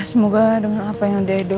semoga dengan apa yang diadop